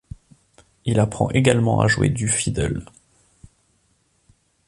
Il apprend également à jouer du fiddle.